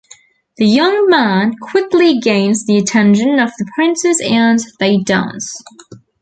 The young man quickly gains the attention of the Princess and they dance.